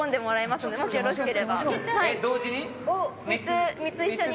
同時に？